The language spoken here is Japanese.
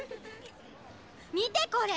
見てこれ！